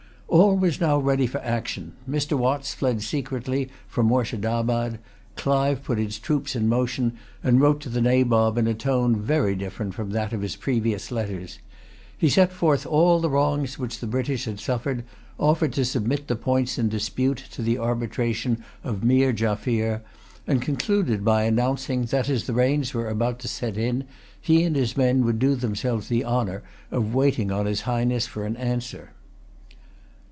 All was now ready for action. Mr. Watts fled secretly from Moorshedabad. Clive put his troops in motion, and wrote to the Nabob in a tone very different from that of his previous letters. He set forth all the wrongs which the British had suffered, offered to submit the points in dispute to the arbitration of Meer Jaffier, and concluded by announcing that, as the rains were about to set in, he and his men would do themselves the honour of waiting on his Highness for an answer.